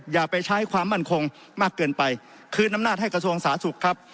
อย่าไปใช้ความมั่นคงมากเกินไปคืนอำนาจให้กระทรวงสาธารณสุขครับ